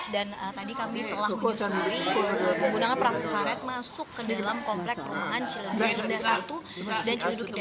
dan tadi kami telah menyusuri penggunaan perang karet masuk ke dalam komplek perumahan celeduk indah satu dan celeduk indah dua